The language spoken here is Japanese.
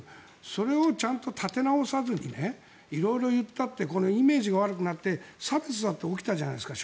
それをちゃんと立て直さずに色々言ったってこのイメージが悪くなって差別だって起きたじゃないですか。